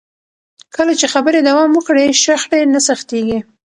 کله چې خبرې دوام وکړي، شخړې نه سختېږي.